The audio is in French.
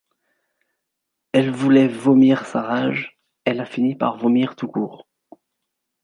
Elle voulait vomir sa rage, elle a fini par vomir tout court.